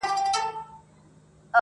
موږه سپارلي دي د ښكلو ولېمو ته زړونه,